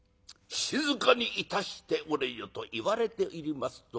静かにいたしておれよ」と言われております